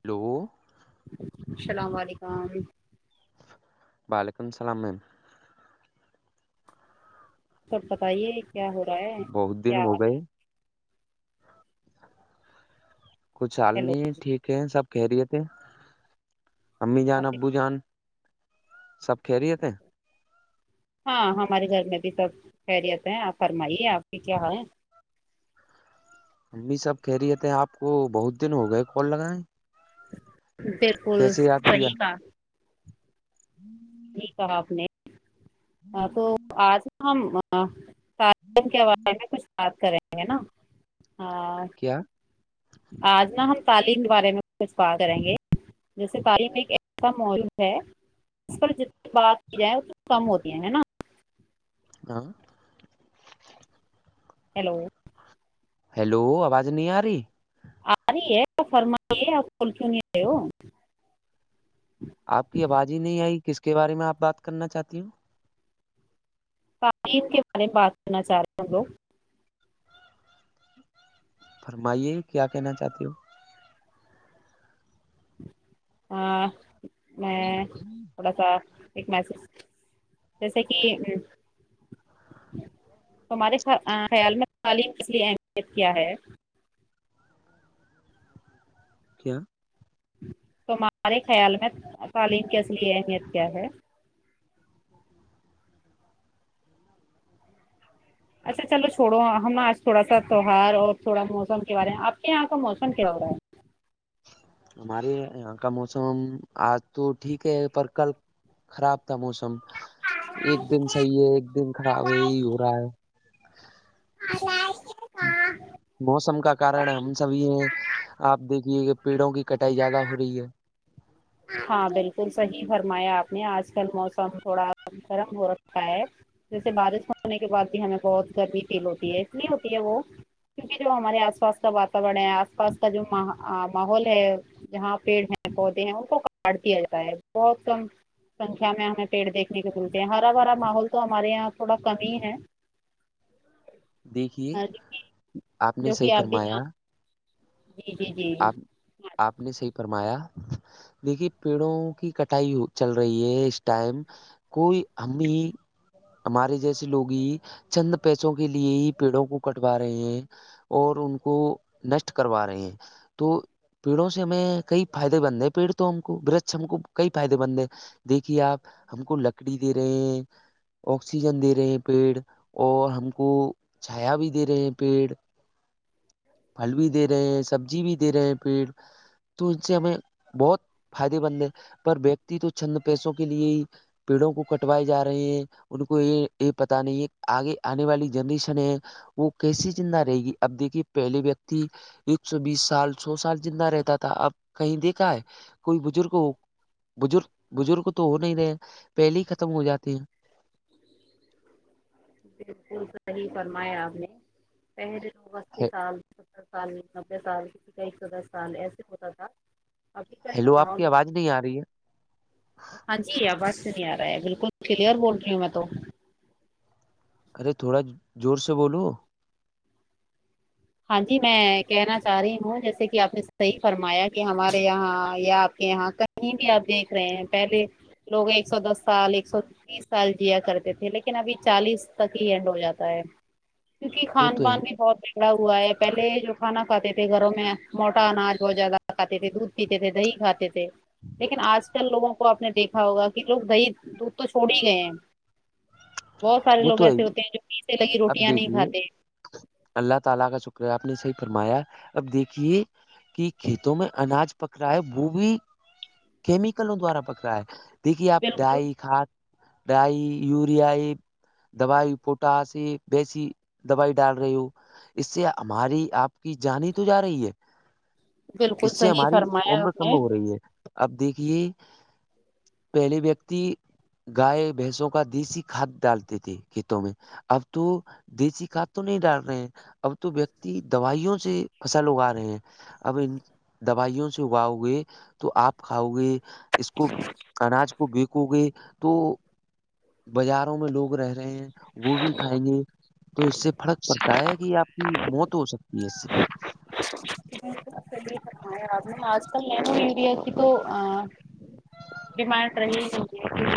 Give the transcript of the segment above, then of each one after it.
Hello السلام علیکم وعلیکم السلام میم سب بتائیے کیا ہو رہا ہے بہت دن کیا ہو حال گئے ہے کچھ حال ہیلو نہیں ہے ٹھیک ہے سب کہہ رہیے تھے امی جان آپ کی- ابو جان سب کہ رہتے ہیں ہاں ہمارے گھر میں بھی سب خیریت ہیں آپ فرمائیے آپ کی کیا ہے امی سب کہہ رہیے تھے آپ کو بہت دن ہو گئے کال لگائیں بالکل صحیح کا ہوں [inaudible] کہ آپ نے تو آج ہم کے حوارے میں کچھ بات کریں گے نا ہاں [unintelligible] کیا آج نا ہم تعلیم کے بارے میں کچھ بات کریں گے جیسے تعلیم ایک ایسا موجوع ہے جتنی بات کی جائے ا کم ہوتی ہیں ہے نا ہاں ہیلو ہیلو آواز نہیں آ رہی آ رہی ہے فرمائیے آپ کول چ نہیں رہئے ہو آپ کی آواز ہی نہیں آئی کس کے بارے میں آپ بات کرنا چاہتی ہوں تعلیم کے بارے میں بات کرنا چاہ رہے ہوں لوگ فرمائیے کیا کہنا چاہتی ہووں ہاں میں تھوڑا سا ایک میچ جیسے کہ ا ہمارے خیال میں تعلیم کے لیے اہمیت کیا ہے کیا کیا تمہارے خیال میں تعلیم کی اصلی اہمیت کیا ہے ج اچھا چلو چھوڑو ہم آج تھوڑا سا تہوار اور تھوڑا موسم کے بارے میں آپ کے یہاں کا موسم کیا ہو رہا ہے ہمارے یہاں کا موسم آج تو ٹھیک ہے پر کل خراب تھا موسم ایک دن صحیح ہے ایک دن خراب ہے یہی ہو رہا ہے ہ موسم کا کارن ہم سب یہ آپ دیکھیے کہ پیڑوں کی کٹائی زیادہ ہو رہی ہے ہاں بالکل صحیح فرمایا آپ نے آج کل موسم تھوڑا گرم ہو رکھا ہے جیسے بارش ہونے کے بع بھی ہمیں بہت گرمی فیل ہوتی ہے اس لیے ہوتی ہے وہ کیونکہ جو ہمارے آس پاس کا واتاورن ہے آس پاس کا جو ماحول ہے جہاں پیڑ ہیں پودے ہیں ان کو کاٹ دیا جاائے بہت کم سکھیا میں ہمیں پیڑ دیکنے کو ملتے ہیں ہرا بھرا ماحول تو ہمارے یہاں تھوڑا کم ہی ہے دیکھیے ہاں نے جو کہ صحیح آپ بھی فرمایا ج جی جی جی آپ آپ نے صحیح فرمایا دیکھیے پیڑوں کی کٹائی چل رہی ہے اس ٹائم کوئی ہممی ہمارے جیسے لوگ ہی چند پیسوں کے لیے ہی پیڑوں کو کٹوا رہے ہیں اور ان کو نشٹ کروا رہے ہیں تو پیڑوں سے ہمیں کئی فائدے بند ہیں پیڑ تو ہم کو برچھ ہم کو کئی فائدے بند ہے دیکھیے آپ ہم کو لکڑی دے رہے ہیں آکسیجن دے رہے ہیں پیڑ اور ہم کو چھایا بھی دے رہے ہیں پیڑ پھل بھی دے رہے ہیں سبزی بھی دے رہے ہیں پیڑ تو ان سے ہمیں بہت فائدے مند ہے پر ویکتی تو چھند پیسوں کے لیے ہی پیڑوں کو کٹوائے جا رہی ہے ان کو یہ یہ پتا نہیں ہے آگے آنے والی جنریشن ہے وہ کیسی زندہ رہے گی اب دیکھیے پہلے ویکتی ایک سو بیس سال سو سال جندہ رہتا تھا اب کہیں دیکھا ہے کوئی بزرگ ہو بزرگ بزرگ تو ہو نہیں رہے ہیں پہلے ہی ختم ہو جاتے ہیں بالکل صحیح فرمایا آپ نے پہلے تو اسی سال ستر سال نبے سال کسی کائی سو دس سال ایسے ہوتا تھا ابھی کا جو ہیلو آپ ماحول کی آواز نہیں بر آ رہی ہے ہاں جی آواز سے نہیں آ رہا ہے بالکل کلیئر بول رہی ہوں میں تو ارے تھوڑا زور سے بولو ہاں جی میں کہنا چاہ رہی ہوں جیسے کہ آپ نے صحیح فرمایا کہ ہمارے یہاں یا آپ کے یہاں ک یہیں بھی آپ دیکھ رہے ہیں پہلے لوگ ایک سو دس سال ایک سو تیس سال جیا کرتے تھے لیکن ابھی چالیس تک ہی اینڈ ہو جاتا ہے کیونکہ وہ تو خان ہے پان ہی، بھی بہت ہے پکڑا ہوا ہے پہلے جو کھانا کاتے تھے گھروں میں موٹا اناج بہت زیادہ کھاتے تھے د پیتے تھے دہی کھاتے تھے لیکن آج چلووں کو آپ دیکھا ہوگا کہ لوگ دہی دودھ تو چھوڑ ہی گئے ہیں بہت سارے وہ لوگ تو ہے ایسے ہی۔ ہوتے ہیں جو گھی سے لگی اب روٹیاں نہیں دیکھیے کھاتے اللہ تعالی کا شکر ہے آپ نے صحیح فرمایا اب دیکھیے کہ کھیتوں میں اناج پک رہا ہے وہ بھی کیمیکلوں دوارا پک رہا ہے دیکھیے آپ بالکل ڈائی کھاد ڈائی یوریا دوائی پوٹاس بیسی دوائی ڈال رہی ہو اس سے ہماری آپ کی جانی تو جا رہی ہے اس بالکل سے صحیح ہماری فرمایا عمر آپ کم نے ہو رہی ہے اب دیکھیے پہلی ویکتی گائے بھینسوں کا دیسی کھاد ڈالتے تھے کھیتوں میں اب تو دیسی کھاد تو نہیں ڈال رہے ہیں اب تو ویکتی دوائیوں سے فصل اگا رہے ہیں اب ان دوائیوں سے اگاؤ گے تو آپ کھاؤ گے اس کو اناج کو بیکو گے تو بازاروں میں لوگ رہ رہے ہیں وہ بھی کھائیں گے تو اس سے فرق پڑتا ہے کہ آپ کی موت ہو سکتی ہے اس سے فمیا آپ نے آج کل نینو یوریا کی تو [inaudible] ڈیمانڈ رہی ہوی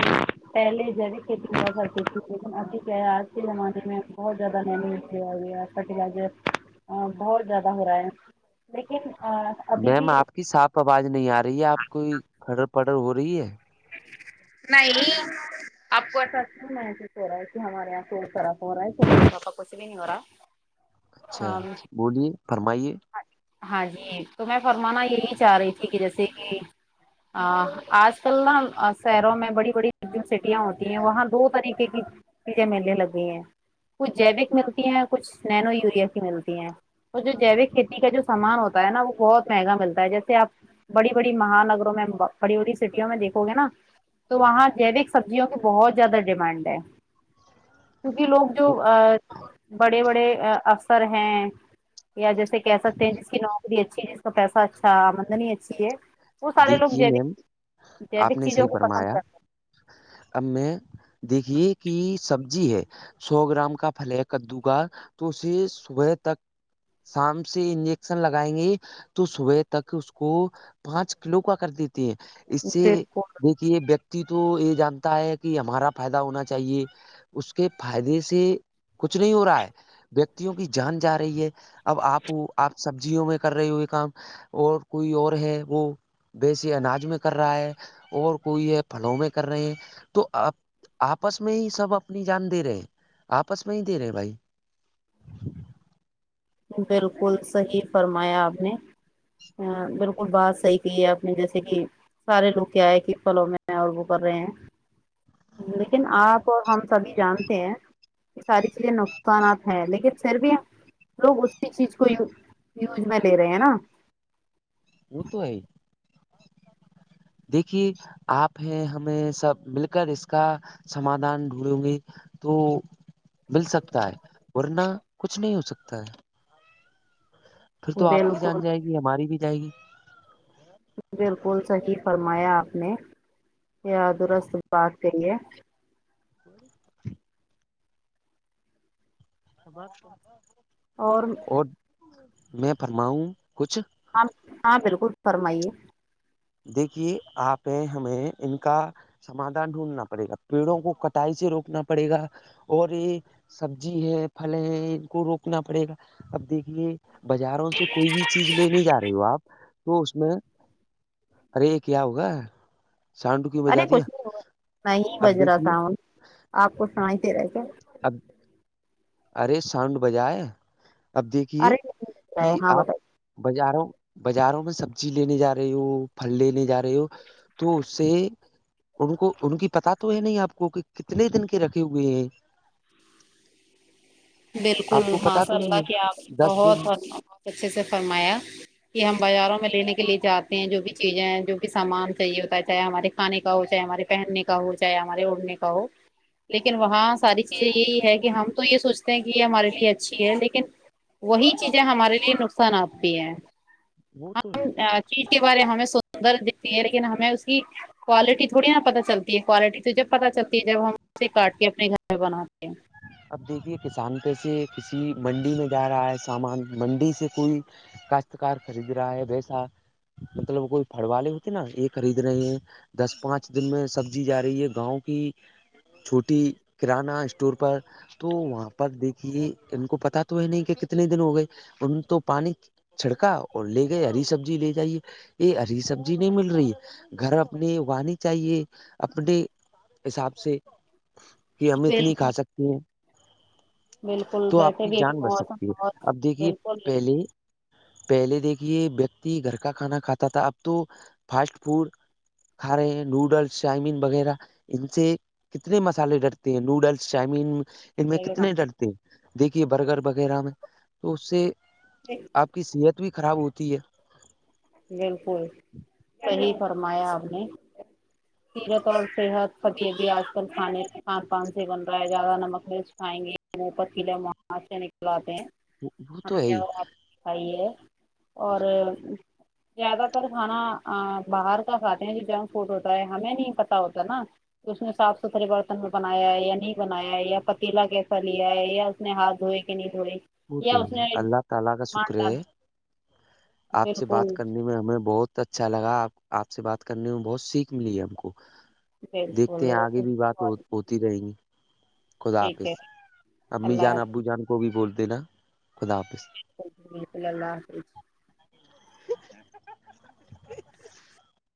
پہلے جب کھیتی کر کرتی تھی لیکن ابھی کیا ہے آج کے زمانے میں بہت زیادہ مہمیھی آ گی پٹیاج بہت زیادہ ہو رہا ہے لیکن ابھی میم بھی آپ کی صاف آواز نہیں آ رہی ہے آپ کوئی کڑر پڑر ہو رہی ہے نہیں آپ کو ایسا محسوس ہو رہا ہے کہ ہمارے یہاں پول خراب ہو رہا ہے ین وورا اچھا بولیے فرمائیے ہاں جی تو میں فرمانا یہی چاہ رہی تھی کہ جیسے کہ ہ آج کل ن اور سیروں میں بڑی بڑی سٹیاں ہوتی ہیں وہاں دو طریقے کی چیزیں میلے لگے ہیں کچھ جیوک ملتی ہیں کچھ ننینو یوریا کی ملتی ہیں اور جو جیوک کھیتی کا جو سامان ہوتا ہے نا وہ بہت مہنگا ملتا ہے جیسے آپ بڑی بڑی مہانگروں میں بڑی بڑی سٹیوں میں دیکھو گے نا تو وہاں جوک سبزیوں کی بہت زیادہ ڈیمانڈ ہے کیونکہ لوگ جو بڑے بڑے افسر ہیں یا جیسے سے کہہ سکتے ہیں جس کی نوکری اچھی ہے جس کا پیسہ اچھا آمدنی اچھی ہے وہ سارے لوگ دیکھیے ج میم بھی ج بھی آپ نے صحیح فرمایا اب میں دیکھیے کہ سبزی ہے سو گرام کا پھل کدو گا تو اسے صبح تک شام سے انجیکشن لگائیں گے تو صبح تک اس کو پانچ کلو کا کر دیتے ہیں اس ہیں۔ سے بالکل دیکھیے ویکتی تو یہ جانتا ہے کہ ہمارا فائدہ ہونا چاہیے اس کے فائدے سے کچھ نہیں ہو رہا ہے ویکتیوں کی جان جا رہی ہے اب آپ آپ سبزیوں میں کر رہے ہوئے کام اور کوئی اور ہے وہ بیسی اناج میں کر رہا ہے اور کوئی ہے پھلوں میں کر رہے ہیں تو آپ آپس میں ہی سب اپنی جان دے رہے آپس میں ہی دے رہے بھائی [unintelligible] بالکل صحیح فرمایا آپ نے ہاں بالکل بات صحیح کی ہے آپ نے جیسے کہ سارے لوگ کیائے کہ پلوں میں اور وہ کر رہے ہیں لیکن آپ کو ہم سبھی جانتے ہیں کہ ساری چیزیں نقصانات ہیں لیکن پھر بھی لوگ اسی چیز کو یوز میں لے رہے ہیں ہے نا [unintelligible] دیکھیے آپ ہیں ہمیں سب مل کر اس کا سمادھان ڈھونڈوں گی تو مل سکتا ہے ورنہ کچھ نہیں ہو سکتا ہے پھر تو آپ کی جان بالکل جائے گی ہماری بھی جائے گی بالکل صحیح فرمایا آپ نے یا درست بات کری ہے [unintelligible] اور میں فرماؤں کچھ ہاں ہاں بالکل فرمائیے دیکھیے آپ ہمیں ان کا سادھان ڈھونڈنا پڑے گا پیڑوں کو کٹائی سے روکنا پڑے گا اور یہ سبزی ہے پھل ہیں ان کو روکنا پڑے گا اب دیکھیے بازاروں سے کوئی بھی چیز لینے جا رہے ہو آپ تو اس میں ارے کیا ہوگا سانڈو کیوں ارے بجا دیا کچھ نہیں ہو نہیں بج اب رہا دیکھیے تھا آپ کچھ سمجھتے رہ کے اب ارے ساؤنڈ بجائے ہے اب دیکھیے ارے نہیں دے رہا ہے کہ ہاں آپ بتائیے بازاروں بازاروں میں سبزی لینے جا رہی ہو پھل لینے جا رہے ہو تو اس سے ان کو ان کی پت تو ہے نہیں آپ کو کہ کتنے دن کے رکھے ہوئے ہیں بالکل آپ کو پتا ماشاء تو نہیں اللہ کی آپ نے ہے دس بہت دن بہت اچھے سے فرمایا کہ ہم بازاروں میں لینے کے لیے جاتے ہیں جو بھی چیزیں ہیں جو بھی سامان چاہیے ہوتا ہے چاہے ہمارے کانے کا ہو چاہے ہمارے پہننے کا ہو چاہے ہمارے اڑھنے کا ہو لیکن وہاں ساری چیزیں یہی ہے کہ ہم تو یہ سوچتے کہ یہ ہمارے لیے اچھی ہے لیکن وہی چیزیں ہمارے لیے نقصانات بھی ہیں وہ تو ہے ہم چیز کے بارے ہمیں سندر دھتی ہے لیکن ہمیں اس کی کوالٹی تھوی نا پتتا چلتی ہے کوالٹی تو جب پتا چلتی ہے جب ہم سے کاٹ کے اپنے گھر میں بناتے ہیں اب دیکھیے کسان پسے کسی منڈی میں جا رہا ہے سامان منڈی سے کوئی کاشتکار خرید رہا ہے ویسا مطلب کوئی پھڑ والے ہوتے نا یہ خرید رہے ہیں دس پانچ دن میں سبزی جا رہی ہے گاؤں کی چھوٹی کرانہ اسٹور پر تو وہاں پر دیکھیے ان کو پتا تو ہے نہیں کہ کتنے دن ہو گئے ان تو پانی چھڑکا اور لے گئے ہری سبزی لے جائیے یہ ہری سبزی نہیں مل رہی ہے گھر اپنی اگانی چاہیے اپنے حساب سے کہ ہم اتنی بالکل کھا سکتے ہیں بالکل تو آپ ویسے کی بھی ابھی جان بچ موسم سکتی ہے بہت اب دیکھیے بالکل پہلے پہلے دیکھیے ویکتی گھر کا کھانا کھاتا تھا اب تو فاسٹ فوڈ کھا رہے ہیں نوڈلس چائمین وغیرہ ان سے کتنے مسالے ڈٹتے ہیں نوڈلس چامین ان میں کتنے ڈرتے ہیں دیکھیے برگر وغیرہ میں تو اس سے جی آپ کی صحت بھی خراب ہوتی ہے بالکل صی فرمایا آپ نے سیرت اور صحت فتیحب بھی آج کل کھانے کھان پان سے بن رہا ہے زیادہ نمک مرچ کھائیں گے مپت کلو ماں سے نکلاتے ہیں وہ تو ہے ہمیں ہی آپ دکھائی ہے اور زیادہ تر کھانا باہر کا کھاتے ہیں جو جنک فوڈ ہوتا ہے ہمیں نہیں پت ہوتا نا اس نے صاف ستھرے برتن میں بنایا ہے یا نہیں بنایا ہے یا پتیلا کیسا لیا ہے یا ہاتھوئے کہ نہیں دھوئے وہ تو یا اس نے اللہ تعالی کا شکر سامان ڈال ہے آپ سے بات بالکل کرنا ہمیں بہت اچھا لگا آپ سے بات کرنے میں بہت سیکھ ملی ہم کو دیکھتے ہیں بالکل آگے بھی بات ہو ہوتی رہیں گی خدا ٹھیک آاپس ہے امی اللہ جان ابو جان کو بھی بولتے نا خدا آاپس رحم اللہ حافظ [inaudible]